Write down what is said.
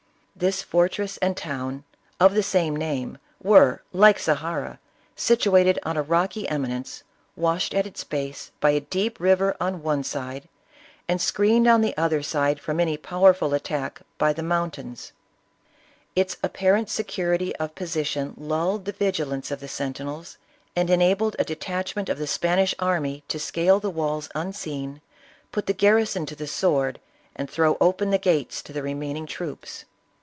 This fortress and town, of the same name, were, like Zahara, situated on a rocky emi nence, washed at its base by a deep river on one side, and screened on the other side from any powerful at tack by the mountains. Its apparant security of posi tion lulled the vigilance of the sentinels, and enabled a detachment of the Spanish army to scale the walls unseen, put the garrison to the sword, and throw open the gates to the remaining troops.